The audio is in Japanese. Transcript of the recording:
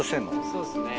そうですね。